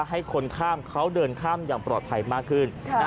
ให้คนข้ามเขาเดินข้ามอย่างปลอดภัยมากขึ้น